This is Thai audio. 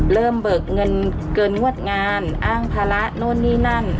เบิกเงินเกินงวดงานอ้างภาระโน่นนี่นั่น